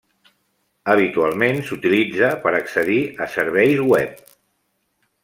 Habitualment s'utilitza per accedir a Serveis web.